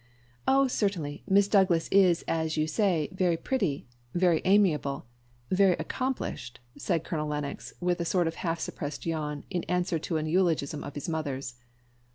"Oh, certainly, Miss Douglas is all that you say very pretty very amiable and very accomplished, said Colonel Lennox, with a sort of half suppressed yawn, in answer to a eulogium of his mother's.